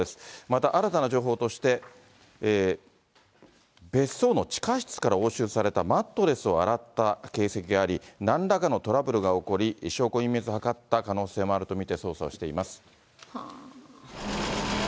また新たな情報として、別荘の地下室から押収されたマットレスを洗った形跡があり、なんらかのトラブルが起こり、証拠隠滅を図った可能性もあると見て、捜査をしています。